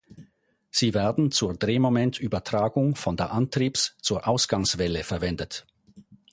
Sie werden zur Drehmomentübertragung von der Antriebs- zur Ausgangswelle verwendet.